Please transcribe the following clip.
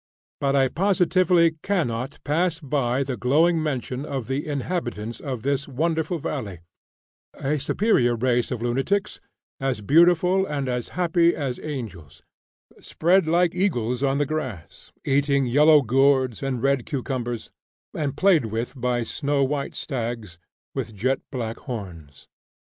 but I positively cannot pass by the glowing mention of the inhabitants of this wonderful valley a superior race of Lunatics, as beautiful and as happy as angels, "spread like eagles" on the grass, eating yellow gourds and red cucumbers, and played with by snow white stags, with jet black horns!